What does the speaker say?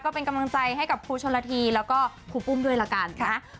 ก็เป็นกำลังใจให้กับครูชนละทีแล้วก็ครูปุ้มด้วยละกันนะคะ